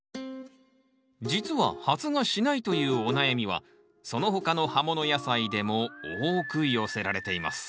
実は発芽しないというお悩みはその他の葉もの野菜でも多く寄せられています